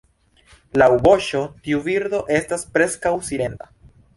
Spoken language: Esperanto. Laŭ voĉo tiu birdo estas preskaŭ silenta.